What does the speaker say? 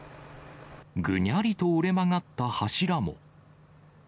ぐにゃりと折れ曲がった柱も。